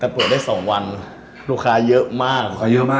แต่เปิดได้สองวันลูกค้าเยอะมาก